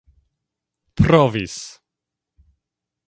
provis